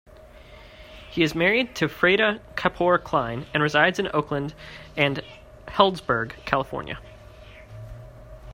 He is married to Freada Kapor Klein and resides in Oakland and Healdsburg, California.